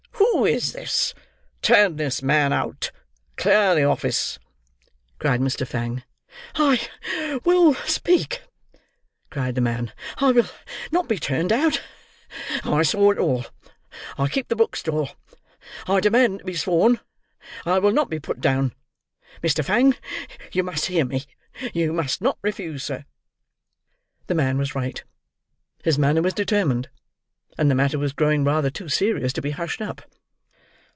Who is this? Turn this man out. Clear the office!" cried Mr. Fang. "I will speak," cried the man; "I will not be turned out. I saw it all. I keep the book stall. I demand to be sworn. I will not be put down. Mr. Fang, you must hear me. You must not refuse, sir." The man was right. His manner was determined; and the matter was growing rather too serious to be hushed up.